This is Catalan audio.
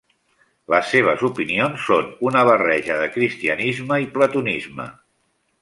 Les seves opinions són una barreja de cristianisme i platonisme.